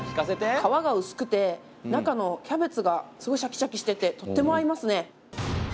皮が薄くて中のキャベツがすごいシャキシャキしててとっても合いますね。